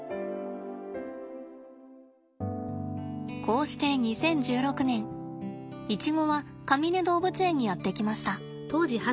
こうして２０１６年イチゴはかみね動物園にやって来ました。